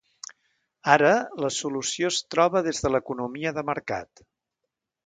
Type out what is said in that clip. Ara, la solució es troba des de l’economia de mercat.